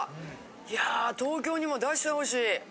いや東京にも出してほしい。